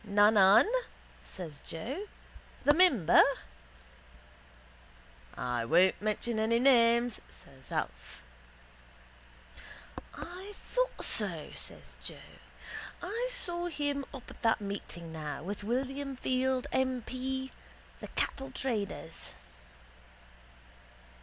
—Nannan? says Joe. The mimber? —I won't mention any names, says Alf. —I thought so, says Joe. I saw him up at that meeting now with William Field, M. P., the cattle traders.